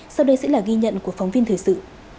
sau đây sẽ là ghi nhận của phóng viên thời sự